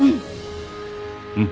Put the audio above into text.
うん。